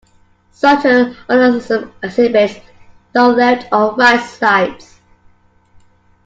Such an organism exhibits no left or right sides.